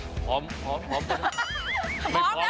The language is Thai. ไม่พร้อมเขาบอกไม่พร้อมเขาไม่ให้ฆ่าตัว